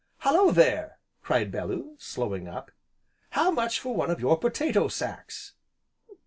"Hallo there!" cried Bellew, slowing up, "how much for one of your potato sacks?"